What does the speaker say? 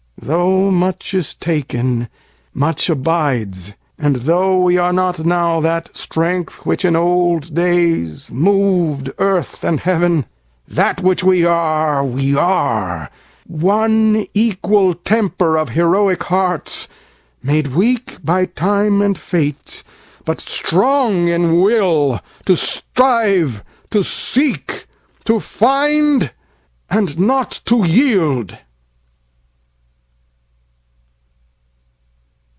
Tho' much is taken, much abides; and tho'We are not now that strength which in old daysMov'd earth and heaven, that which we are, we are:One equal temper of heroic hearts, Made weak by time and fate, but strong in willTo strive, to seek, to find, and not to yield.